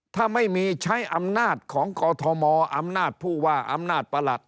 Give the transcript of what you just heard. ถ้าไม่มีใช้อำนาจของกอทมอำนาจผู้ว่าอำนาจประหลัด